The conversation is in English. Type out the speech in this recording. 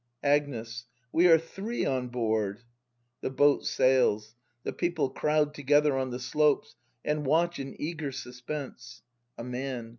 Agnes. We are three on board ! [The boat sails. The people croicd together on the slopes, and watch in eager suspense.] A Man.